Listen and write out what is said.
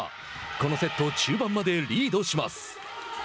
このセット中盤までリードします。